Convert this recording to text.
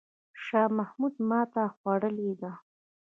شاه محمود ماته خوړلې ده.